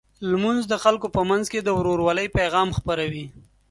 لمونځ د خلکو په منځ کې د ورورولۍ پیغام خپروي.